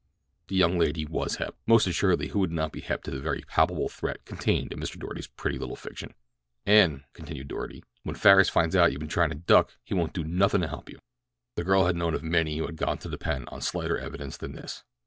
The young lady was hep—most assuredly who would not be hep to the very palpable threat contained in Mr. Doarty's pretty little fiction? "An'," continued Doarty, "when Farris finds you been tryin' to duck he won't do nothin' to help you." The girl had known of many who had gone to the pen on slighter evidence than this.